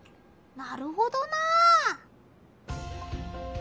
なるほどなあ。